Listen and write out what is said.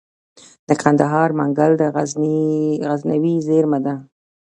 د کندهار منگل د غزنوي زیرمه ده